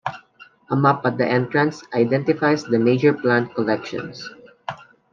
A map at the entrance identifies the major plant collections.